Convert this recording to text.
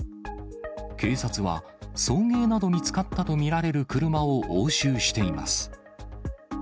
警察は、送迎などに使ったと見られる車を押収しています。